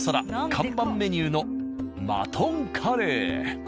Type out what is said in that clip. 看板メニューのマトンカレー。